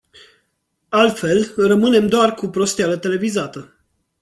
Altfel, rămânem doar cu prosteala televizată.